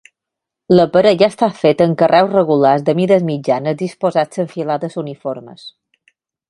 L'aparell ha estat fet amb carreus regulars de mides mitjanes disposats en filades uniformes.